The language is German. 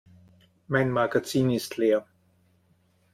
Mein Magazin ist leer.